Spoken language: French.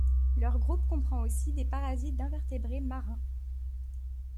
Leur groupe comprend aussi des parasites d'invertébrés marins.